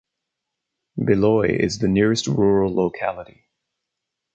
Beloye is the nearest rural locality.